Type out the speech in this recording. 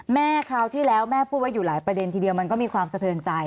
คราวที่แล้วแม่พูดไว้อยู่หลายประเด็นทีเดียวมันก็มีความสะเทินใจ